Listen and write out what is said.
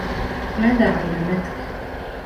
ماذا علمَتك؟